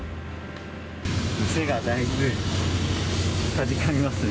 手がだいぶかじかみますね。